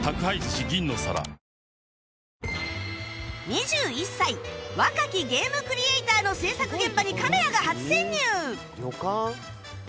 ２１歳若きゲームクリエイターの制作現場にカメラが初潜入！